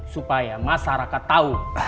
supaya masyarakat tahu